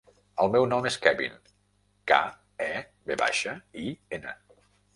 El meu nom és Kevin: ca, e, ve baixa, i, ena.